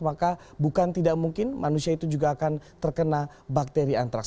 maka bukan tidak mungkin manusia itu juga akan terkena bakteri antraks